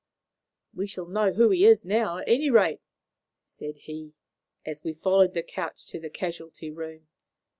"We shall know who he is now, at any rate," said he, as we followed the couch to the casualty room.